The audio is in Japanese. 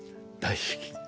大好き。